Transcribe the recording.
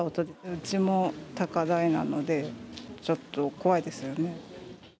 うちも高台なので、ちょっと怖いですよね。